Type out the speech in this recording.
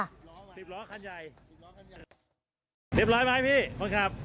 เรียบร้อยไหมพี่คุณครับ